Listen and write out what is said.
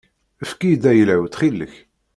Efk-iyi-d ayla-w ttxil-k.